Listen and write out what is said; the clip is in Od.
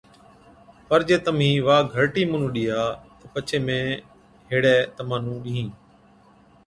پَر جي تمهِين وا گھرٽِي مُنُون ڏِيها تہ پڇي مين هيڙَي تمهان نُون ڏِيهِين۔